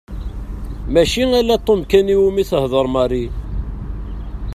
Mačči ala Tom kan iwimi tehder Mary.